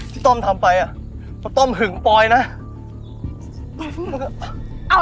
ฉันจะตัดพ่อตัดลูกกับแกเลย